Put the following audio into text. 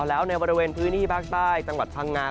แล้วในพื้นที่ภาคใต้จังหวัดภางงา